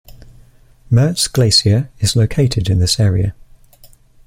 Mertz Glacier is located in this area.